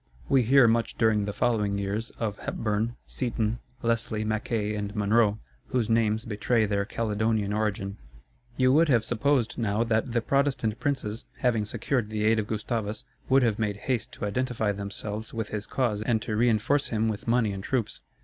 We hear much during the following years, of Hepburn, Seaton, Leslie, Mackay, and Monroe, whose names betray their Caledonian origin. You would have supposed now that the Protestant princes, having secured the aid of Gustavus, would have made haste to identify themselves with his cause and to reinforce him with money and troops.